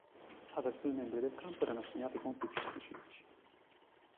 Ad alcuni membri del campo erano assegnati compiti specifici.